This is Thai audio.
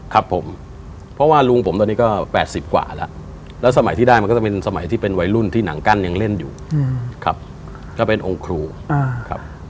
ครับผมเพราะว่าลุงผมตอนนี้ก็๘๐กว่าแล้วแล้วสมัยที่ได้มันก็จะเป็นสมัยที่เป็นวัยรุ่นที่หนังกั้นยังเล่นอยู่ครับก็เป็นองค์ครูครับ